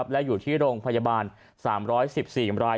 และอยู่ที่โรงพยาบาล๓๑๔ราย